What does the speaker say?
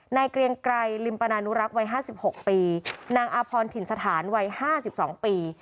นายเกรียงไกรลิมปนานุรักษ์วัยห้าสิบหกปีนางอาพรถินสถานวัยห้าสิบสองปี